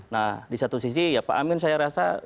nah di satu sisi ya pak amin saya rasa